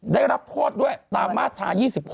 ได้รับโทษด้วยตามมาตรา๒๖